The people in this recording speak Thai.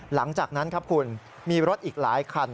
หลังจากนั้นครับคุณมีรถอีกหลายคัน